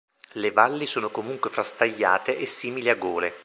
Le valli sono comunque frastagliate e simili a gole.